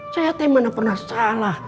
saya tidak pernah salah